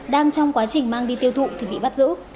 đang trong quá trình mang đi tiêu thụ thì bị bắt giữ